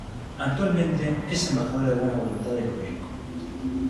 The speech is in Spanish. Actualmente es embajadora de buena voluntad de la Unesco.